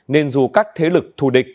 nên dù các thế lực thù địch